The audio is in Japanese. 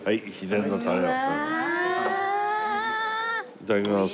いただきます。